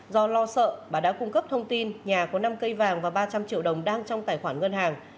do lo sợ bà đã cung cấp thông tin nhà có năm cây vàng và ba trăm linh triệu đồng đang trong tài khoản ngân hàng